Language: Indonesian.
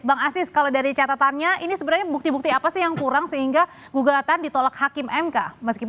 bang asis kalau dari catatannya ini sebenarnya bukti bukti apa sih yang kurang sehingga gugatan ditolak hakim mk